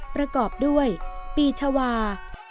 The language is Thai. ประกอบด้วยปีชาวา